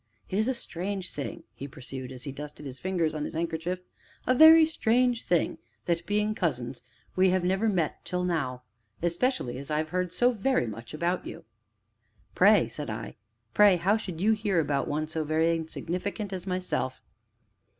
"It is a strange thing," he pursued, as he dusted his fingers on his handkerchief, "a very strange thing that, being cousins, we have never met till now especially as I have heard so very much about you." "Pray," said I, "pray how should you hear about one so very insignificant as myself?"